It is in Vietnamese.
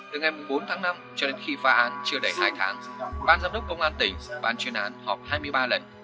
từ ngày bốn tháng năm cho đến khi phá án chưa đầy hai tháng ban giám đốc công an tỉnh ban chuyên án họp hai mươi ba lần